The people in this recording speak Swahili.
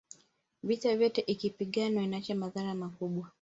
vita yoyote ikipiganwa inaacha madhara makubwa